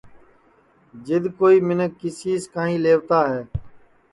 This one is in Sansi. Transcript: جِدؔ کوئی مینکھ کسی سے کانئیں لَیوتا ہے